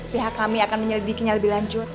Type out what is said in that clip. pihak kami akan menyelidiki yang lebih lanjut